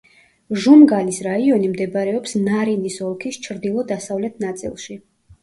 ჟუმგალის რაიონი მდებარეობს ნარინის ოლქის ჩრდილო-დასავლეთ ნაწილში.